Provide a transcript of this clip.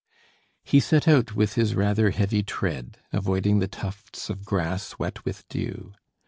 He set out with his rather heavy tread, avoiding the tufts of grass wet with dew.